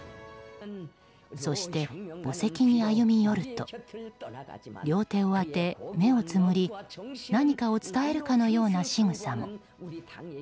そして、墓石に歩み寄ると両手を当て、目をつむり何かを伝えるかのようなしぐさも。